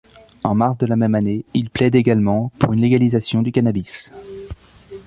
En mars de la même année, il plaide également pour une légalisation du cannabis.